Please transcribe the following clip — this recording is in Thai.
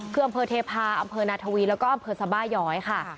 คืออำเภอเทพาอำเภอนาทวีแล้วก็อำเภอสบาย้อยค่ะ